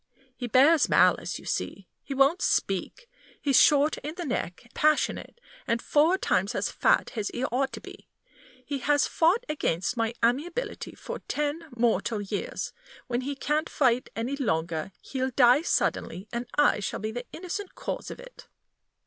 He bears malice, you see; he won't speak; he's short in the neck, passionate, and four times as fat as he ought to be; he has fought against my amiability for ten mortal years; when he can't fight any longer, he'll die suddenly, and I shall be the innocent cause of it."